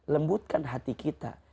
lembutkan hati kita